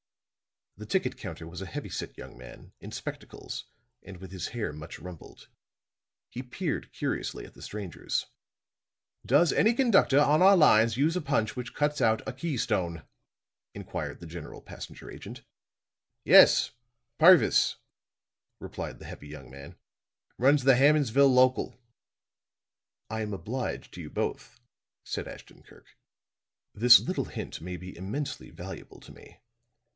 The ticket counter was a heavy set young man, in spectacles and with his hair much rumpled. He peered curiously at the strangers. "Does any conductor on our lines use a punch which cuts out a keystone?" inquired the General Passenger Agent. "Yes, Purvis," replied the heavy young man. "Runs the Hammondsville local." "I am obliged to you both," said Ashton Kirk. "This little hint may be immensely valuable to me.